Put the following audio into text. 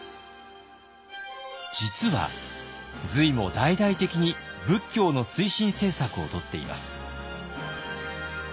実は隋も大々的に仏教の推進政策をとっています。